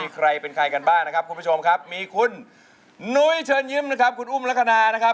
ใครเป็นใครกันบ้างนะครับคุณผู้ชมครับมีคุณนุ้ยเชิญยิ้มนะครับคุณอุ้มลักษณะนะครับ